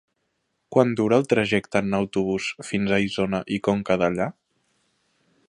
Quant dura el trajecte en autobús fins a Isona i Conca Dellà?